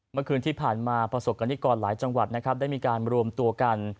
เมื่อคืนที่ผ่านมาประสบกรณิกรหลายจังหวัดนะครับได้มีการรวมตัวกัน